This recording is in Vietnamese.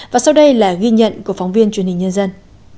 và sau đây là ghi nhận của phóng viên truyền hình nhân dân